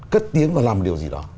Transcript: cất tiếng và làm điều gì đó